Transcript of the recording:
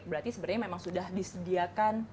berarti sebenarnya memang sudah disediakan